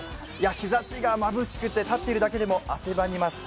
日ざしがまぶしくて立っているだけでも暑いです。